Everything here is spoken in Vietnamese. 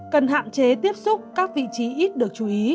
cần hạn chế tiếp xúc các vị trí ít được chú ý